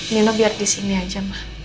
nino biar di sini aja mak